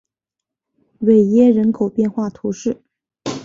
韦耶人口变化图示